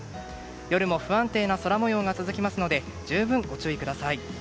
夜も不安定な空模様が続きますので十分ご注意ください。